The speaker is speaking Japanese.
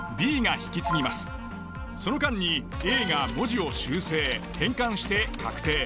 その間にＡが文字を修正・変換して確定。